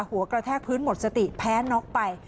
หัวกระแทกพื้นหมดสติแพ้น็อกไป